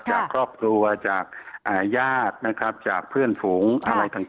จากครอบครัวจากญาตินะครับจากเพื่อนฝูงอะไรต่าง